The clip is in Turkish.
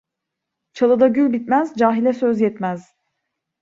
Çalıda gül bitmez, cahile söz yetmez.